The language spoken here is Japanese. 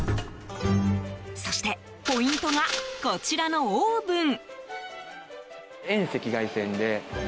そして、ポイントがこちらのオーブン。